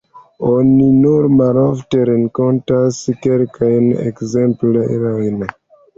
Oni nur malofte renkontas kelkajn ekzemplerojn.